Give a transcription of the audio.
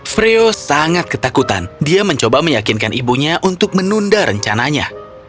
freo sangat ketakutan dia mencoba meyakinkan ibunya untuk menunda rencananya